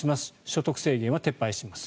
所得制限は撤廃します。